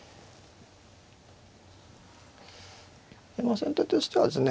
先手としてはですね